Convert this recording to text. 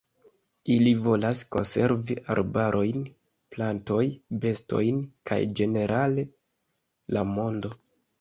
Ili volas konservi arbarojn, plantoj, bestojn kaj ĝenerale la mondo.